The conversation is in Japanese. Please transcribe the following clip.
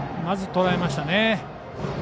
まず、とらえましたね。